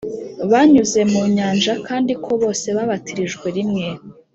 Banyuze mu nyanja kandi ko bose babatirijwe rimwe